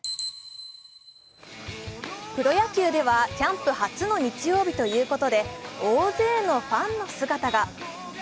プロ野球ではキャンプ初の日曜日ということで大勢のファンの姿が。